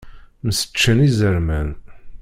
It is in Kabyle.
Mseččen izerman.